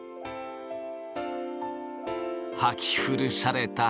はき古された昴